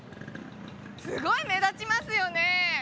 すごい目立ちますよね！